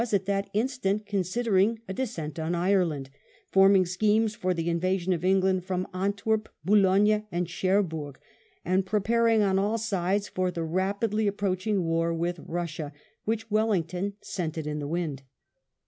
t that instant considering a descent on Ireland, forming schemes for the invasion of England from Antwerp, Boulogne, and Cherbourg, and preparing on all sides for the rapidly approaching war with Eussia, which Wellington scented in the wind.